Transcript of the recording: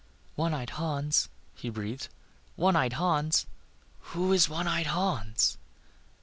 "One eyed Hans," he breathed, "One eyed Hans; who is One eyed Hans?"